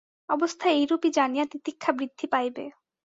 অবস্থা এইরূপই জানিয়া তিতিক্ষা বৃদ্ধি পাইবে।